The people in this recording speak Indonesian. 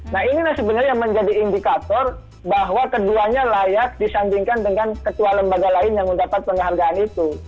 nah inilah sebenarnya yang menjadi indikator bahwa keduanya layak disandingkan dengan ketua lembaga lain yang mendapat penghargaan itu